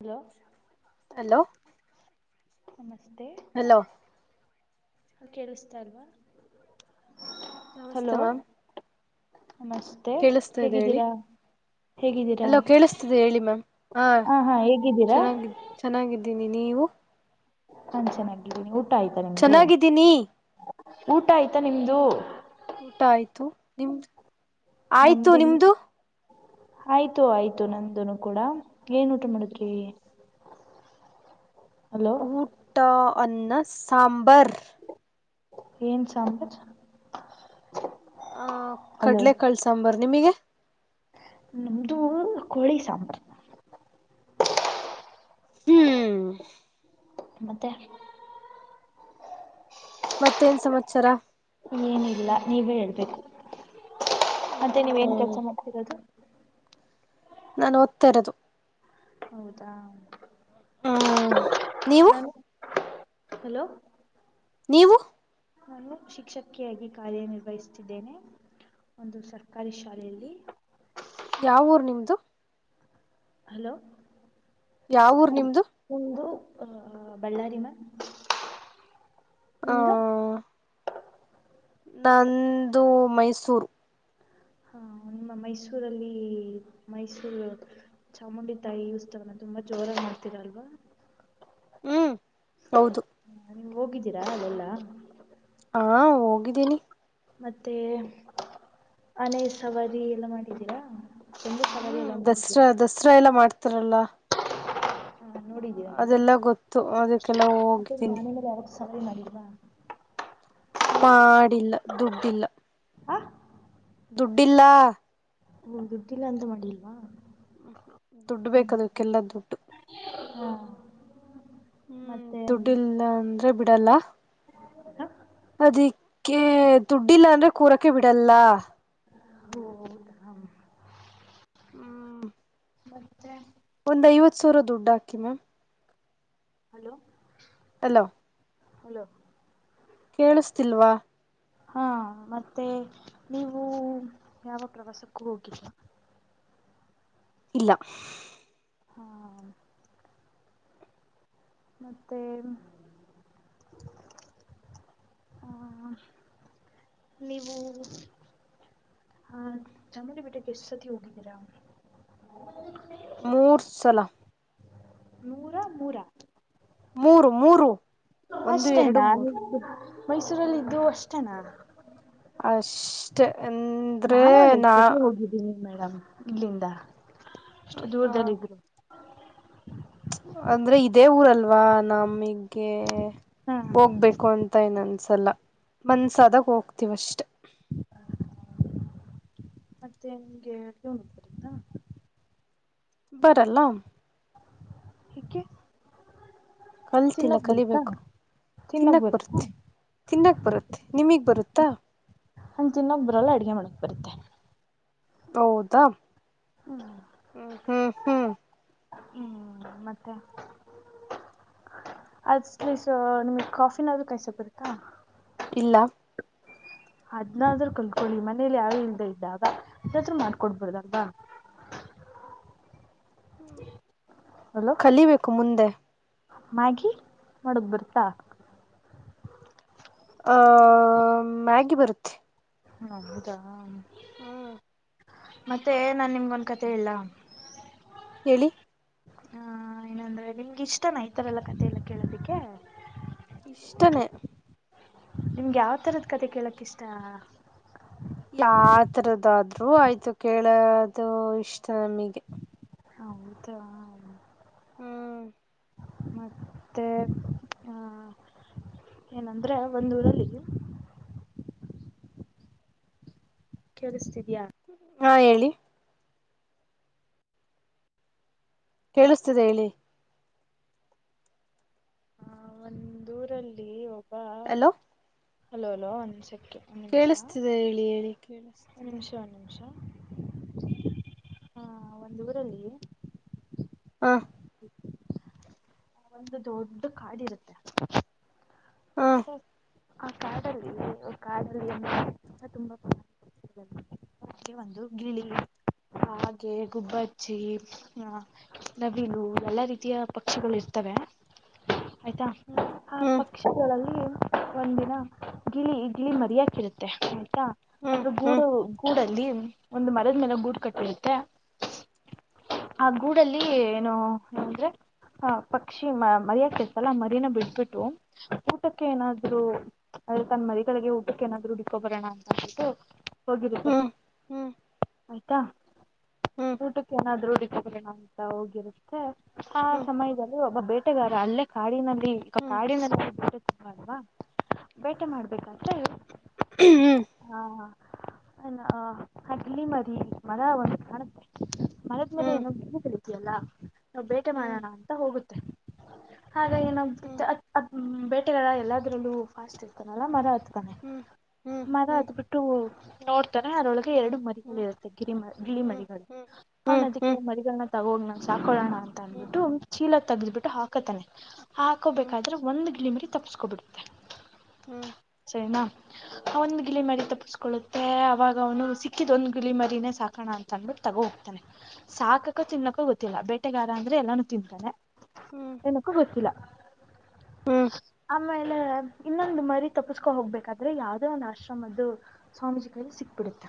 Hello hello ನಮಸ್ತೆ hello ಕೇಳಿಸ್ತಾ ಇಲ್ವಾ ನಮಸ್ತೆ ಹಲೋ ಮ್ಯಾಮ್ ನಮಸ್ತೆ ಕೇಳಿಸ್ತಾ ಇದೆ ಹೇಳಿ ಹೇಗಿದ್ದೀರ ಹೇಗಿದ್ದೀರ ಅಲೋ ಕೇಳಿಸ್ತಿದೆ ಹೇಳಿ ಮ್ಯಾಮ್ ಆ ಹಾ ಹೇಗಿದ್ದೀರಾ ಚೆನ್ನಾಗಿದ್ದೀವಿ ನೀವು ನಾನ್ ಚೆನ್ನಾಗಿದ್ದೀನಿ ಊಟ ಆಯ್ತಾ ನಿಮ್ದು ಚೆನ್ನಾಗಿದ್ದೀನಿ ಊಟ ಆಯ್ತಾ ನಿಮ್ದು. ಊಟ ಆಯ್ತು ನಿಮ್ದ್ ನಮ್ದಲ್ ಆಯ್ತು ಆಯ್ತು ನಮ್ದುನು ಕೂಡ ಏನ್ ಊಟ ಮಾಡಿದ್ರಿ. ಹಲೋ ಟ ಅನ್ನ ಸಾಂಬರ್ ಏನ್ ಸಾಂಬಾರ್. ಆ ಹಲೋ ಕಡ್ಲೆಕಾಳ್ ಸಾಂಬಾರ್ ನಿಮಿಗೆ ನಮ್ದು ಕೋಳಿ ಸಾಂಬಾರ್. ಹ್ಮ್ ಮತ್ತೆ [inaudible] ಮತ್ತೇನ್ ಸಮಾಚಾರ ಇನ್ ಏನಿಲ್ಲ ನೀವೇ ಹೇಳ್ಬೇಕು ಮತ್ತೆ ನೀವೇನ್ ಹ್ಮ್ ಕೆಲ್ಸ ಮಾಡ್ತಿರೋದು. ನಾನ್ ಓದ್ತಾ ಇರೋದು. ಹೌದಾ ಹ್ಮ ನೀವು ಉ ಹಲೋ ನೀವು ನನ್ನು ಶಿಕ್ಷಕಿಯಾಗಿ ಕಾರ್ಯ ನಿರ್ವಹಿಸುತ್ತಿದ್ದೇನೆ. ಒಂದು ಸರ್ಕಾರಿ ಶಾಲೆಯಲ್ಲಿ ಯಾವೂರ್ ನಿಮ್ದು ಹಲೋ ಯಾವೂರ್ ನಿಮ್ದು ನಮ್ದು ಅ ಬಳ್ಳಾರಿ ಮ್ಯಾಮ್. ಆ ನಂದು ಮೈಸೂರು ಹಾ ನಮ್ಮ ಮೈಸೂರಲ್ಲಿ ಮೈಸೂರ್ ಚಾಮುಂಡಿ ತಾಯಿ ಉಸ್ತವನ ತುಂಬಾ ಜೋರಾಗ್ ಮಾಡ್ತೀರಲ್ವ. ಹ್ಮ್ ಹೌದು ಹ್ಮ್ ನೀವು ಹೋಗಿದ್ದೀರಾ ಅಲ್ಲೆಲ್ಲಾ ಹಾ ಹೋಗಿದ್ದೀನಿ ಮತ್ತೆ ಅನೆ ಸವಾರಿ ಎಲ್ಲ ಮಾಡಿದ್ದೀರ ಹ್ಮ್ ದಸ್ರಾ ದಸರಾ ಎಲ್ಲಾ ಮಾಡ್ತಾರಲ್ಲ. ನೋಡಿದ್ದೀರಾ ನೀವು ಅದೆಲ್ಲ ಗೊತ್ತು ಅದಿಕ್ಕೆ ನಾವ್ ಹೋಗಿದ್ದೀನಿ ಸವರಿ ಮಾಡಿಲ್ವಾ ಮಾಡಿಲ್ಲ ದುಡ್ಡಿಲ್ಲ. ಆ ದುಡ್ಡಿಲ್ಲ ಹು ದುಡ್ಡಿಲ್ಲ ಅಂತ ಬಂದಿಲ್ವ ಹ್ಮ್ ದುಡ್ಡು ಬೇಕದುಕ್ಕೆಲ್ಲ ದುಡ್ಡು ಹಾ ಹ್ಮ್ ಮತ್ತೆ ದುಡ್ಡಿಲ್ಲ ಅಂದ್ರೆ ಬಿಡಲ್ಲ ಹ ಅದಿಕ್ಕೆ ದುಡ್ಡಿಲ್ಲ ಅಂದ್ರೆ ಕೂರಕ್ಕೆೆ ಬಿಡಲ್ಲ ಹೌದ ಹ ಹ್ಮ ಮತ್ತೆ ಒಂದ್ಐವತ್ತು ಸಾವಿರ ದುಡ್ಡು ಹಾಕಿ ಮ್ಯಾಮ್ ಹಲೋ ಹಲೋ ಹಲೋ ಕೇಳಿಸ್ತಿಲ್ವಾ ಹಾ ಮತ್ತೆ ನೀವು ಯಾವ ಪ್ರವಾಸಕ್ಕೂ ಹೋಗಿಲ ಇಲ್ಲ ಹಾ ಮತ್ತೆ ನೀವು ಹಾ ಚಾಮುಂಡಿ ಬೆಟ್ಟಕ್ಕೆ ಎಷ್ಟ ಸತಿ ಹೋಗಿದ್ದೀರಾ ಮೂರ್ಸಲ ನೂರ ಮೂರ ಮೂರು ಮೂರು ಒಂದು ಅಷ್ಟೇ ಎರಡು ನ ಮೂರು ಮೈಸೂರಲ್ಲ ಇದಿದ್ದು ಅಷ್ಟೇನಾ ಅಷ್ಟ ಅಂದ್ರೆ ನಾನು ಒಂದ್ ಐದ್ ನಾ ಸತಿ ಹೋಗಿದ್ದೀನಿ ಮೇಡಮ್ ಇಲ್ಲಿಂದ ಎಷ್ಟು ಹ ದೂರದಲ್ಲಿ ಇದ್ದು ಅಂದ್ರೆ ಇದೇ ಊರಲ್ವಾ ನಮಗ್ಗೆ ಹಾ ಹೋಗ್ಬೇಕು ಅಂತ ಅನ್ಸಲ್ಲ ಮನ್ಸಾದಾಗ ಹೋಗ್ತೀವ ಅಷ್ಟೆ ಮತ್ತೆ ನಿಮ್ಗೆ [unintelligible] ಬರಲ್ಲ ಏಕೆ ಕಲ್ತಿಲ್ಲ ತಿನ್ನೋಕ್ ಬರುತ್ತಾ ಕಲಿಬೇಕು ತಿನ್ನೋಕ್ ತಿನ್ನಕ್ ಬರುತ್ತಾ ಬರ್ತ್ತತಿ ತಿನ್ನಕ್ ಬರುತ್ತೆ ನಿಮಗ್ ಬರುತ್ತಾ ನಂಗ್ ತಿನ್ನೋಕ ಬರಲ್ಲ ಅಡ್ಗೆ ಮಾಡಕ್ ಬರತ್ತೆ ಹೌದಾ ಹ್ಮ್ ಹ ಹ್ಮ ಹ್ಮ ಹ್ಮ್ ಮತ್ತೆ ಅಟ್ಲೀಸ್ ನಿಮಗ್ ಕಾಫಿನಾದ್ೂ ಕಾಯಸ ಬರುತ್ತಾ ಇಲ್ಲ ಅದ್ನಾದ್ರು ಕಲ್ಕೊಳ್ಳಿ ಮನೇಲಿ ಯಾರು ಇಲ್ದ ಇದ್ದಾಗ ಅದತ್ರರು ಮಾಡ್ಕೊಡ್ಬಾರದಲ್ವಾ ಕಲಿಬೇಕು ಮುಂದೆ ಮಾಗಿಿ ಮಾಡಾಕ ಬರ್ತಾ ಆಹ ಮ್ಯಾಗಿ ಬರುತ್ತೆ ಹೌದಾ ಹ್ಮ್ ಮತ್ತೆ ನಾನ್ ನಿಮ್ಗೊಂದ್ ಕತೆ ಹೇಳ ಹೇಳಿ ಹಾ ಏನಂದ್ರೆ ನಿಮಗೆ ಇಷ್ಟ ನ ಈತರೆ ಎಲ್ಲಾ ಕಥೆಲ್ಲ ಕೇಳೋದಿಕ್ಕೆ ಇಷ್ಟನೆೇ ನಿಮ್ಗೆ ಯಾವ ತರದ್ ಕತೆೆ ಕೇಳಕ್ ಇಷ್ಟ ಯ ತರದಾದ್ರು ಆಯ್ತು ಕೇಳದು ಇಷ್ಟ ನಮಗೆ [unintelligible] ಹ್ಮ್ ಮತ್ತೆ ಆ ಏನಂದ್ರೆ ಒಂದಊರಲ್ಲಿ ಕೇಳಿಸ್ತಿದ್ಯ ಹಾ ಹೇಳಿ ಕೇಳಿಸ್ತಿದೆ ಹೇಳಿ ದೂರಲ್ಲಿ ಒಬ್ಬ ಹಲೋ ಹಲೋಲೋ ಅನ್ ಸೆಕು ಕೇಳಿಸ್ತಿದೆ ಹೇಳಿ ಹೇಳಿ ಕೇಳಿಸತ ನಿಮಿಷ ನಿಮಿಷ ಹಾ ಒಂದು ಊರಲ್ಲಿ- ಆ [inaudible] ಒಂದು ದೊಡ್ಡ ಕಾಡಿ ಇರುತ್ತೆ ಹ ಹೇ ಕಾಡಲ್ಲಿ ಕಾಡಲ್ಲಿ ಅಂದ್ರ ತುಂಬಾ [unintelligible] ಆ ಒಂದು ಗಿಳಿ ಹಾಗೆ ಗುಬ್ಬಚ್ಚಿ ಹ ನವಿಲು ಎಲ್ಲಾ ರೀತಿಯ ಪಕ್ಷಿಗಳು ಇರ್ತವೆ ಆಯ್ತಾ ಹ್ಮ್ ಆ ಹ್ಮ್ ಪಕ್ಷಿಗಳಲ್ಲಿ ಒಂದಿನ ಗಿಳಿ ಗಿಳಿ ಮರಿಯೋಕಿರುತ್ತೆ ಹ್ಮ್ ಆದ್ರೂ ಗೂಡ ಹ್ಮ್ ಗೂಡ ಒಂದ್ ಮರದ ಮೇಲೆ ಗುಡ್ ಕಟ್ಟಿರುತ್ತೆ ಆ ಗೂಡಲ್ಲಿ ಏನೋ ಏಂದ್ರೆ ಹಾ ಪಕ್ಷಿ ಮ ಮರಿಯಕ್ಕೆಸಲ ಮರಿನ ಬಿಟ್ಬಿಟ್ಟು ಊಟಕ್ಕೆ ಏನಾದ್ರು ಆದ್ರೆ ತನ್ ಮರಿಗಳಿಗೆ ಊಟಕ್ಕೆಏನಾದ್ರು ತಗೋ ಬರೋಣ ಅಂತ ಅನ್ಬಿಟ್ಟು ಹೋಗಿರುತ್ತೆ ಹ್ಮ್ ಹ್ಮ್ ಆಯ್ತಾ ಹ್ಮ್ ಊಟಕ್ಕೆ ಏನಾದರು ಅಂತ ಹೋಗಿರುತ್ತೆ ಆ ಹ್ಮ್ ಹ್ಮ್ ಸಮಯದಲ್ಲಿ ಒಬ್ಬ ಬೇಟೆ ಗಾರ ಅಲ್ಲೇ ಕಾಡಿನಲ್ಲಿ ಹ್ಮ್ ಕಾಡಿನಲ್ಲಿ ಲ್ವಾ ಬೇಟೆ ಮಾಡ್ಬೇಕಾದ್ರೆ ಹ್ಮ್ ಹಾ ಅ ಗಿಳಿ ಮರಿ ಮರ ಒಂದು ಮರದ ಮೇಲೆ ಹ್ಮ್ ಹ್ಮ್ ಹ್ಮ್ ಹ್ಮ್ ಹ್ಮ್ ಏನೋ ಬ ಕಳಿತಲ್ಲಾ ನಾವು ಬೇಟೆ ಮಾಡೋಣ ಹೋಗುತ್ತೆ ಹಾಗ ಏನಾಗುತ್ತೆ ಹ್ಮ್ ಹ್ಮ್ ಅದು ಬೇಟೆಗಾರ ಎಲ್ಲದ್ರಲ್ಲೂ ಫಾಸ್ಟ್ ಇರ್ತಾನಲ್ಲ ಮರ ಹತ್ತತಾನೆ ಹ್ಮ್ ಮರ ಹ್ಮ್ ಹತ್ಬಿಟ್ಟ ನೋಡ್ತಾರೆ ಅದರೊಳಗೆ ಎರಡು ಮರಿಗಳು ಹ್ಮ್ ಇರುತ್ತೆ ಗಿರಿ ಮ ಗಿಳಿ ಮರಿಗಳು ಆ ಹ್ಮ್ ಹ್ಮ್ ಹ್ಮ್ ಹ್ಮ್ ಹ್ಮ್ ಹ್ಮ್ ಹ್ಮ್ ಹ್ಮ್ ಹ್ಮ್ ಮರಿಗಳನ್ನ ತಗೋಣ ಸಾಕೊಳ್ಳಳೋನ ಅಂತ ಅಂದ್ಬಿಟ್ಟು ಚೀಲ ತಗ್ದ್ ಬಿಿಟ್ಟು ಹಾಕತಾನೆ ಹಾಕೋಬೇಕ ಒಂದು ಗಿಳಿ ಮಿರಿ ತಪ್ಪಸ್ಕೋಬಿಡತ್ತೆ. ಹ್ಮ್ ಚೈನಾ ಅವ್ನ್ ಗಿಳಿ ಮರಿ ತಪ್ಪಿಸ್ಕೊಳ್ಳುತ್ತೆ ಅವಾಗ ಅವನು ಸಿಕ್ಕಿದ್ ಒಂದ್ ಗಿಳಿ ಮರಿನೇ ಸಾಕಣ ಅನ್ ತಂದ್ಬಿಟ್ಟು ತಗೋ ಹೋಗ್ತಾನೆ ಸಾಕಕ ತಿನ್ನಕ ಗೊತ್ತಿಲ್ಲ ಬೇಟೆಗಾರ ಅಂದ್ರೆ ಎಲ್ಲಾನು ತಿಂತಾನೆ. ಹ್ಮ ಏನಕ್ಕೂ ಗೊತ್ತಿಲ್ಲ ಹ್ಮ್ ಆಮೇಲೆ ಇನ್ನೊಂದು ಮರಿ ತಪ್ಪಸ್ಕೊ ಹೋಗ್ಬೇಕಾದ್ರೆ ಯಾವ್ದೇ ಒಂದ್ ಆಶ್ರಮದ್ದು ಸ್ವಾಮೀಜಿ ಕೈಲಿ ಸಿಕ್ಬಿಡುತ್ತೆ.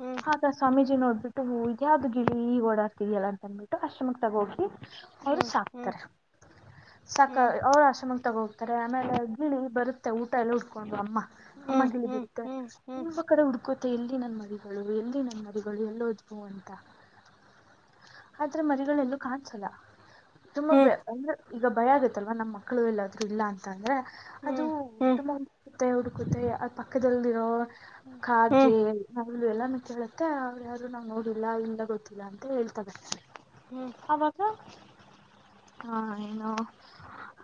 ಹ್ಮ್ ಆಗ ಸ್ವಾಮೀಜಿ ನೋಡ್ಬಿಟ್ಟು ಹೂಗಿ ಇದ್ಯಾವ್ದು ಗಿಳಿ ಓಡಾಡ್ತಿದಿಯಲ್ಲ ಅಂತ ಅನ್ಬಿಟ್ಟು ಆಶ್ರಮಕ್ ತಗೋಗಿ ಅವ್ರು ಸಾಕ್ತಾರೆ. ಸಾಕ ಅವ್ರು ಆಶ್ರಮಕ್ಕೆ ತಗೋ ಹೋಗ್ತಾರೆ ಆಮೇಲೆ ಗಿಳಿ ಬರುತ್ತೆ ಊಟ ಎಲ್ಲ ಹುಡ್ಕೊಂಡು ಅಮ್ಮ. ಅಮ್ಮ ಗಿಳಿ ಹ್ಮ್ ಬರುತ್ತೆ. ಹ್ಮ್ ತುಂಬ ಕಡೆ ಹುಡ್ಕುತ್ತೆ ಎಲ್ಲಿ ನನ್ ಮರಿಗಳು ಎಲ್ಲಿ ನನ್ ಮರಿಗಳು ಎಲ್ ಹೋದ್ವು ಅಂತ. ಆದ್ರ ಮರಿಗಳೆಲ್ಲೂ ಕಾಣ್ಸಲ್ಲ. ತುಂಬಾ ಹ್ಮ್ ಬೆ ಅಂದ್ರೆ ಈಗ ಭಯ ಆಗತ್ತಲ್ವಾ ನಮ್ಮ್ ಮಕ್ಳು ಎಲ್ಲಾದ್ರು ಇಲ್ಲ ಅಂತಂದ್ರೆ ಅದು ಹ್ಮ್ ಹ್ಮ್ ತುಂಬಾ ಹುಡ್ಕುತ್ತೆ ಹುಡ್ಕುತ್ತೆ ಆ ಪಕ್ಕದಲ್ಲಿರೋ ಹ್ಮ್ ಕಾಗೆ ನವಿಲು ಎಲ್ಲಾರ್ನೂ ಕೇಳತ್ತೆ ಅವ್ರು ಯಾರು ನಾವ್ ನೋಡಿಲ್ಲ ಇಲ್ಲ ಗೊತ್ತಿಲ್ಲ ಅಂತ ಹೇಳ್ತಾರೆ. ಹ್ಮ ಅವಾಗ ಹಾ ಏನು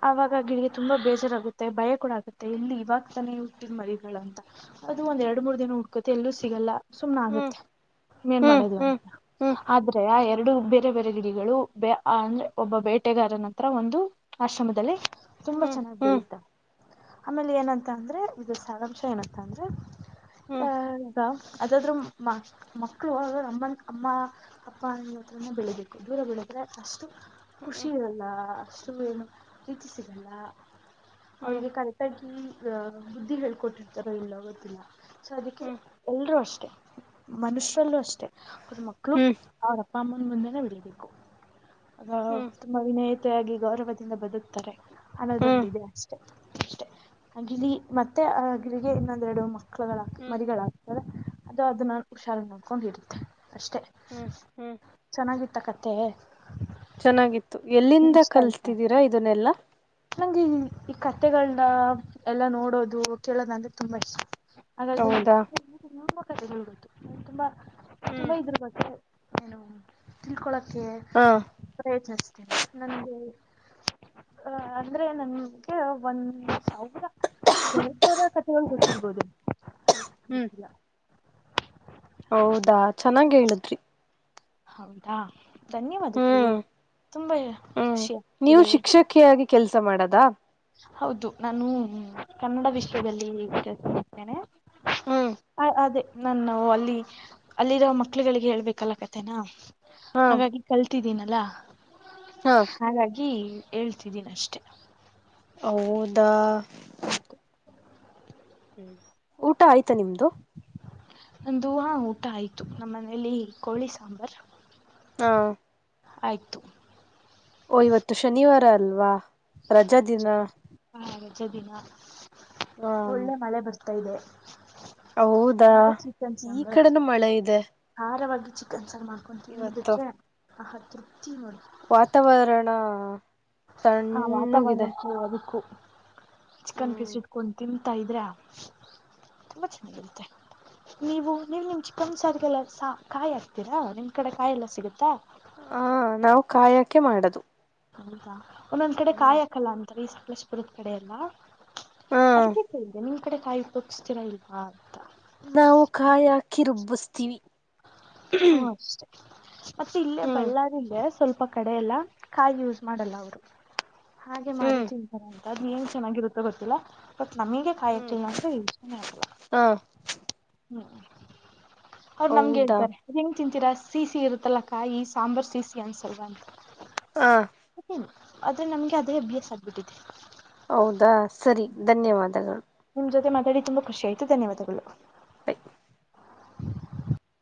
ಆವಾಗ ಗಿಳಿಗೆ ತುಂಬಾ ಬೇಜಾರಾಗುತ್ತೆ ಭಯ ಕೂಡ ಆಗುತ್ತೆ ಇಲ್ಲಿ ಇವಾಗ ತಾನೆ ಹುಟ್ಟಿದ ಮರಿಗಳಂತ ಅದು ಒಂದ್ ಎರಡು ಮೂರ್ ದಿನ ಹುಡ್ಕುತ್ತೆ ಎಲ್ಲೂ ಸಿಗಲ್ಲ ಸುಮ್ನ್ ಹ್ಮ್ ಆಗತ್ತೆ ಇನ್ನೇನ್ ಹ್ಮ್ ಮಾಡೋದು ಹ್ಮ್ ಅಂತ. ಹ್ಮ್ ಆದ್ರೆ ಆ ಎರಡು ಬೇರೆ ಬೇರೆ ಗಿಳಿಗಳು ಬೆ ಆ ಅಂದ್ರೆ ಒಬ್ಬ ಬೇಟೆಗಾರನ ಹತ್ರ ಒಂದು ಆಶ್ರಮದಲ್ಲಿ ತುಂಬಾ ಹ್ಮ್ ಚೆನ್ನಾಗಿ ಹ್ಮ್ ಬೆಳತ ಆಮೇಲೆ ಏನಂತ ಅಂದ್ರೆ ಇದ್ರ್ ಸಾರಾಂಶ ಏನಂತ ಅಂದ್ರೆ ಹ್ಮ್ ಹ್ಮ್ ಆ ಅ ಅದಾದ್ರೂ ಮ ಮಕ್ಕಳು ಅವ್ರ್ ಅಮ್ಮನ್ ಅಮ್ಮ ಅಪ್ಪ ಅ ಹತ್ರನೆ ಬೆಳೆಬೇಕು ದೂರ ಬೆಳು ದ್ರೆ ಅಷ್ಟು ಖುಷಿ ಹ್ಮ್ ಇರಲ್ಲ ಅಷ್ಟು ಏನು ಪ್ರೀತಿ ಸಿಗಲ್ಲ. ಹ್ಮ್ ಅವ್ರಿಗೆ ಕರೆಕ್ಟಾಗಿ ಅ ಬುದ್ಧಿ ಹೇಳ್ಕೊಟ್ಟಿರ್ತಾರೊ ಇಲ್ಲೋ ಗೊತ್ತಿಲ್ಲ. ಸೊ ಅದಕ್ಕೆ ಹ್ಮ್ ಎಲ್ರೂ ಅಷ್ಟೆ ಮನುಷ್ಯರಲ್ಲೂ ಅಷ್ಟೇ ಅವ್ರ್ ಮಕ್ಳು ಹ್ಮ್ ಅವರಪ್ಪ ಅಮ್ಮನ ಮುಂದೆನೆ ಬೆಳಿಬೇಕು ಅಗ ಹ್ಮ್ ತುಂಬಾ ವಿನಯ ತೆಯಾಗಿ ಗೌರವದಿಂದ ಬದುಕ್ತಾರೆ ಅನ್ನೋದೊಂದು ಹ್ಮ್ ಇದೆ ಅಷ್ಟೆ ಅಷ್ಟೆ [unintelligible] ಮತ್ತೆ ಆ ಗಿಳಿಗೆ ಇನ್ನೊಂದೆರಡು ಮಕ್ಳುಗಳ ಹ್ಮ್ ಮರಿಗಳಾಗ್ ಅದು ಅದು ನಾನು ಹುಷಾರಾಗ್ ನೋಡ್ಕೊಂಡ್ ಇಡುತ್ತೆ ಅಷ್ಟೆ ಹ್ಮ್ ಚೆನ್ನಾಗಿ ತ್ತಾ ಕಥೆ ಚೆನ್ನಾಗಿತ್ತು ನಿಂಗ್ ಎಲ್ಲಿಂದ ಇಷ್ಟ ಆಯ್ತಾ ಕಲ್ತಿದ್ದೀರಾ ಇದುನ್ನೆಲ್ಲ ನಂಗೆ ಈ ಈ ಕತೆಗಳ್ನ ಎಲ್ಲ ನೋಡೋದು ಕೇಳೋದಂದ್ರೆ ತುಂಬಾ ಇಷ್ ಹಾಗಾಗಿ ಹೌದಾ ನಂಗ್ ತುಂಬಾ ಕಥೆಗಳ್ ಗೊತ್ತು ನಾನ್ ತುಂಬಾ ತುಂಬ ಹ್ಮ್ ಇದ್ರು ಬಗ್ಗೆ ಏನು ತಿಳ್ಕೊಳಕ್ಕೆ ಹಾ ಪ್ರಯತ್ನಿಸ್ತೇನೆ ನಂಗೆ ಅಂದ್ರೆ ನನ್ಗೆ ಒಂದ್ ಸಾವಿರ ಒಂದೆರಡ್ ಸಾವ್ರ ಕಥೆಗಳ್ ಗೊತ್ತಿರ್ರ್ಬೋದು ಹ್ಮ್ ಗೊತ್ತಿಲ್ಲ. ಹೌದಾ ಚೆನ್ನಾಗೇಳುದ್ರಿ ಹೌದಾ ಧನ್ಯವಾದಗಳು ಹ್ಮ್ ತುಂಬಾ ಖುಷಿ ಆಗ್ತಿದೆ ಮುಖ ಆಗಿ ಕೆಲಸ ಮಾಡದಾ ಹೌದು ನಾನು ಕನ್ನಡ ವಿಷ್ಯದಲ್ಲಿದ್ದೇನೆ ಹ್ಮ್ ಹ ಅದೇ ನಾನ ಅಲ್ಲಿ ಅಲ್ಲಿರೋ ಮಕ್ಳುಗಳಿಗೆ ಹೇಳ್ಬೇಕಲ್ಲ ಕತೆೇನಾ ಹಾ ಹಾಗಾಗಿ ಕಲ್ತಿದ್ದೀನಲ್ಲಾ ಹಾ ಹಾಗಾಗಿ ಹೇಳ್ತಿದ್ದೀನಿ ಅಷ್ಟೆ ದಾ ಹೌದು ಹ್ಮ್ ಊಟ ಆಯ್ತಾ ನಿಮ್ದು ಒಂದು ಊಟ ಆಯ್ತು ನಮ್ಮ ಮನೆಯಲ್ಲಿ ಕೋಳಿ ಸಾಂಬಾರ್ ಹಾ ಆಯ್ತು ಓ ಇವತ್ತು ಶನಿವಾರ ಅಲ್ವಾ ರಜಾ ದಿನ ಹ ರಜೆ ದಿನ ಹ ಒಳ್ಳೆ ಮಳೆ ಬರ್ತಾ ಇದೆ ಹೌದಾ ಮುಂದೆ ಈ ಕಡೆನು ಮಳೆ ಇದೆ ಆಹಾರವಾಗಿ ಚಿಕನ್ ಸಲ್ ಮಾಡ್ಕೊಂತೀವಿ ನಿದೆ ಇವತ್ತು ಆಹ ತೃಪ್ತಿ ನೋಡ್ ವಾತಾವರಣರಣ ಹ ವಾತಾವರ್ರಣಕ್ಕೆ ಅದಕ್ಕು ಚಿಕನ್ ಹ್ಮ್ ಪೀಸ್ ಇಟ್ಕೊ ತಿನ್ ತ ಇದ್ರೆ ತುಂಬ ಚೆನ್ನಾಗಿರುತ್ತೆ ನೀವು ನೀವು ನಿಮ್ ಚಿಕ್ಕನ್ ಸಾರಿಗೆಲ್ಲ ಕಾಯಿ ಹಾಕ್ತೀರಾ ನಿಮ ಕಡೆ ಕಾಯಿಲ್ಲ ಸಿಗುತ್ತಾ ಹ ನಾವು ಕಾಯಕೆ ಮಾಡದು ಹೌದಾ ಒಂದೊಂದ್ ಕಡೆ ಹ್ಮ್ ಕಾಯಾಕಲ್ಲ ಅಂತಾರೆ ಈ ಸಲೇಶಪುರದ ಕಡೆ ಎಲ್ಲ ಹ ಅದಕ್ಕೆ ಹೇದೆ ನಿಮ್ ಕಡೆ ಕಾಯಿ ಉಪಯೋಗಿಸಸ್ತೀರಾ ಇಲ್ವಾ ಅಂತ ನಾವು ಕಾಯಿ ಹಾಕಿ ರುಬ್ಬಿಸ್ತೀವಿ ಹಓ ಅಷ್ಟೇ ಮತ್ತೆ ಇಲ್ಲೇ ಹ್ಮ್ ಬಳ್ಳಾರಇದ ಸ್ವಲ್ಪ ಕಡೆ ಎಲ್ಲ ಕಾಯಿ ಯಸ್ ಮಾಡಲ್ಲ ಅವ್ರು ಹಾಗೆ ಮಾಡಿ ಹ್ಮ್ ತಿಂತಾರ ಅಂತ ಅದ್ ಗ ಚೆನ್ನಾಗಿರುತ್ತೋ ಗೊತ್ತಿಲ್ಲ ಬಟ್ ನಮಗೆ ಕಾಯತಿಲ್ಲ ಅಂದ್ರೆ ವಿಚಾನನೆ ಆಗ್ಲ ಹಾಂ ಹ್ಮ್ ಅವರ್ ನಮ್ಗೆ ಹೌದಾ ಹೇಳ್ತರೆ. ಹೆಂಗೆ ತಿಂತೀರಾ ಸೀ ಸೀ ಇರುತ್ತಲ್ಲ ಕಾಯಿ ಸಾಂಬಾರ್ ಸೀ ಸೀ ಅನ್ಸಲ್ವಾ ಅಂತ. ಹ ಆದ್ರೆ ನಮ್ಗೆ ಅದೇ ಬಿ ಎಸ್ ಆಗ್ಬಿಟ್ಟಿದೆ ಹೌದಾ ಸರಿ ಧನ್ಯವಾದಗಳು ನಿಮ್ ಜೊತಾಡಿ ತುಂಬ ಖುಷಿಯ್ತು ಧನ್ಯಾದಗಳು ಹ